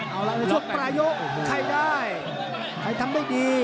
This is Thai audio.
ช่วงประยกใครได้ใครทำได้ดี